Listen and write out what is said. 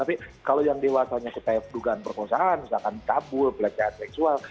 tapi kalau yang dewasanya ketahui pergugahan perkosaan misalkan tabu belajaran seksual